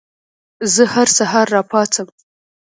زه هر سهار راپاڅم.